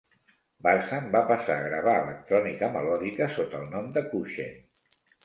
Barham va passar a gravar electrònica melòdica sota el nom de Kuchen.